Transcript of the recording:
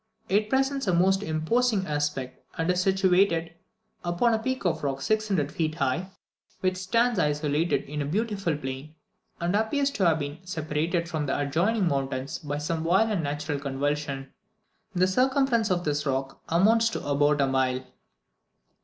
It presents a most imposing aspect, and is situated upon a peak of rock 600 feet high, which stands isolated in a beautiful plain, and appears to have been separated from the adjoining mountains by some violent natural convulsion. The circumference of this rock amounts to about a mile.